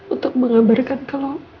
untuk mengabarkan kalau